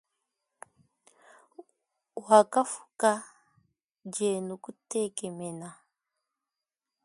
Wakamfuka ndienu kutekemena.